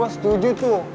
saya setuju tuh